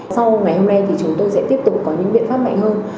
sau ngày hôm nay thì chúng tôi sẽ tiếp tục có những biện pháp mạnh hơn